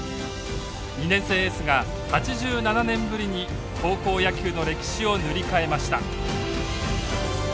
２年生エースが８７年ぶりに高校野球の歴史を塗り替えました。